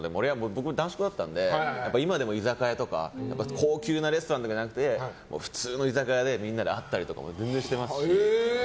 僕は男子校だったので今でも居酒屋とか高級なレストランじゃなくて普通の居酒屋でみんなで会ったり全然してますし。